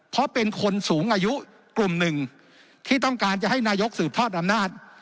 เพราะเป็นคนสูงอายุกลุ่มหนึ่งที่ต้องการจะให้นายกสืบทอดอำนาจ